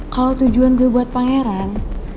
kalau tujuan gue buat pangeran